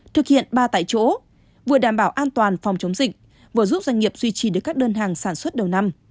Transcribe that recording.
thực hiện ba tại chỗ vừa đảm bảo an toàn phòng chống dịch vừa giúp doanh nghiệp duy trì được các đơn hàng sản xuất đầu năm